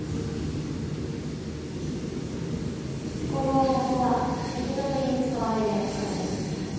このおおばこはせき止めに使われる薬草です。